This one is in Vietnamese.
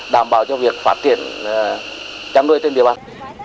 đảm bảo cho việc phát triển chăn nuôi trên địa bàn